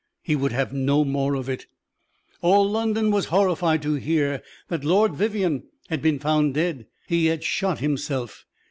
He would have no more of it. All London was horrified to hear that Lord Vivianne had been found dead; he had shot himself.